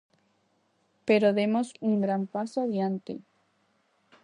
Pero demos un gran paso adiante.